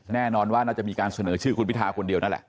แน่นอนว่าน่าจะมีการเสนอชื่อคุณพิทาคนเดียวนั่นแหละ